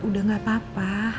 udah gak apa apa